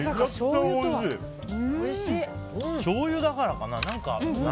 しょうゆだからかな。